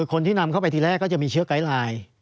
คนที่นำเข้าไปทีแรกก็จะมีเชื้อไกด์ไลน์